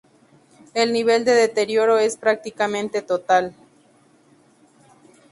El nivel de deterioro es prácticamente total.